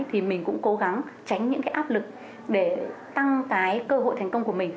thì mình cũng cố gắng tránh những cái áp lực để tăng cái cơ hội thành công của mình